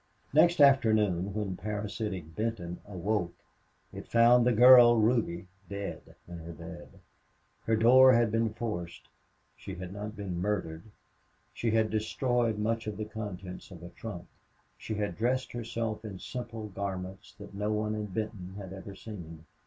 Next afternoon, when parasitic Benton awoke, it found the girl Ruby dead in her bed. Her door had to be forced. She had not been murdered. She had destroyed much of the contents of a trunk. She had dressed herself in simple garments that no one in Benton had ever seen.